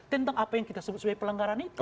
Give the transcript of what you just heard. tentang apa yang kita sebut sebagai pelanggaran itu